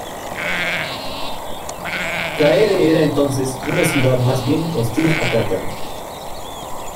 Caere era entonces una ciudad más bien hostil a Cartago.